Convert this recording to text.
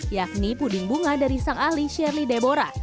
yakni puding bunga dari sang ahli shirley deborah